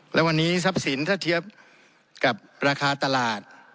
และวันนี้ทรัพย์สินถ้าเทียบกับราคาตลาด